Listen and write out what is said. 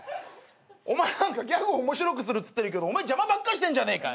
お前ギャグを面白くするって言ってるけどお前邪魔ばっかしてんじゃねえか！